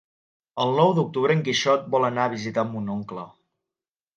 El nou d'octubre en Quixot vol anar a visitar mon oncle.